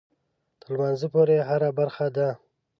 تر لمانځه پورې هره برخه ده.